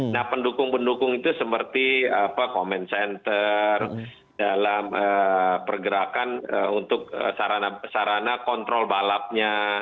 nah pendukung pendukung itu seperti comment center dalam pergerakan untuk sarana kontrol balapnya